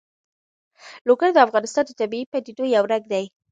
لوگر د افغانستان د طبیعي پدیدو یو رنګ دی.